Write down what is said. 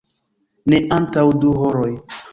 Ne antaŭ du horoj.